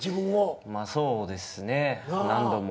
まあそうですね何度も。